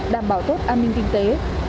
đảm bảo tốt an ninh kinh tế